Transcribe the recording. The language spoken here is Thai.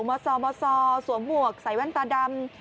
มะสอสวมหมวกใส่ว้างตาดำ